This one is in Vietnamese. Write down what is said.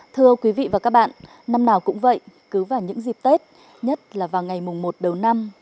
thưa quý vị và các bạn năm nào cũng vậy cứ vào những dịp tết nhất là vào ngày mùng một đầu năm